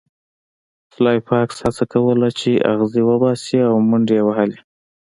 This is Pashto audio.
سلای فاکس هڅه کوله چې اغزي وباسي او منډې یې وهلې